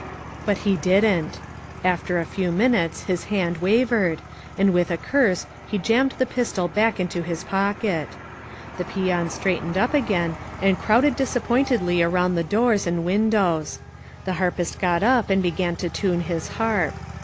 But he didn't. After a few minutes his hand wav ered, and with a curse he jammed the pistol back into his pocket. The peons straightened up again and crowded disappointedly around the doors and win dows. The harpist got up and began to tune his harp.